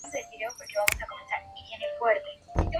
La laguna está casi unida con las Salinas Grandes.